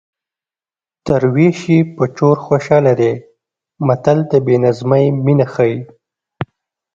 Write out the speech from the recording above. تر وېش یې په چور خوشحاله دی متل د بې نظمۍ مینه ښيي